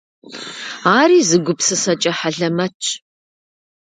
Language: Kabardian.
Ари зы гупсысэкӏэ хьэлэмэтщ.